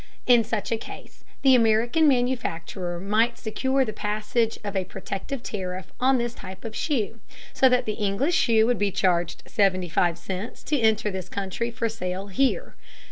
In such a case the American manufacturer might secure the passage of a protective tariff on this type of shoe, so that the English shoe would be charged $0.75 to enter this country for sale here.